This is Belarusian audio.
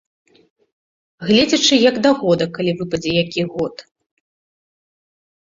Гледзячы як да года, калі выпадзе які год.